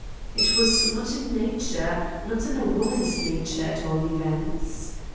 It was not in nature, not in woman's nature, at all events.